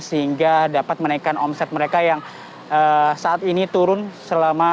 sehingga dapat menaikkan omset mereka yang saat ini turun selama